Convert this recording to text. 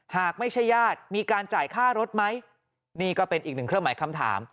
หากไม่ใช่ญาติมีการจ่ายค่ารถไหมนี่ก็เป็นอีกหนึ่งเครื่องหมายคำถาม